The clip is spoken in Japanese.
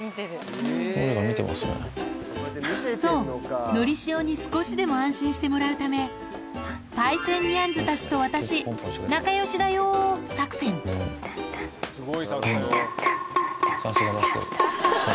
そうのりしおに少しでも安心してもらうためパイセンニャンズたちと私仲良しだよ作戦タンタンタンタンタンタン。